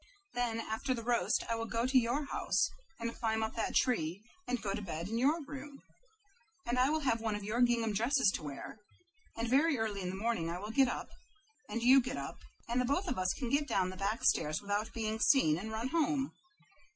Then after the roast I will go to your house, and climb up that tree, and go to bed in your room. And I will have one of your gingham dresses to wear, and very early in the morning I will get up, and you get up, and we both of us can get down the back stairs without being seen, and run home."